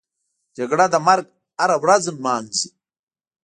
جګړه د مرګ هره ورځ نمانځي